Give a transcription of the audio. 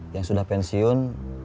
yang sudah pensiun